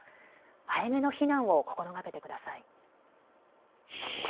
早めの避難を心がけてください。